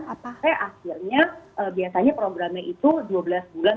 sampai akhirnya biasanya programnya itu dua belas bulan